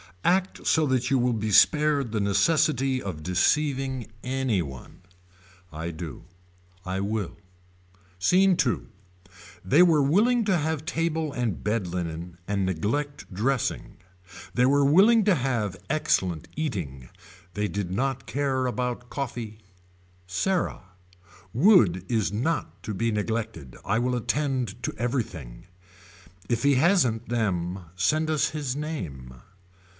Act so that you will be spared the necessity of deceiving anyone. I do. I will. Scene II. They were willing to have table and bed linen and neglect dressing. They were willing to have excellent eating. They did not care about coffee. Sarah. Wood is not to be neglected. I will attend to everything. If he hasn't them send us his name.